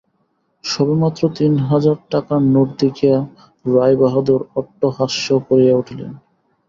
সবেমাত্র তিন হাজার টাকার নোট দেখিয়া রায়বাহাদুর অট্টহাস্য করিয়া উঠিলেন।